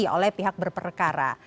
oleh pihak berperkara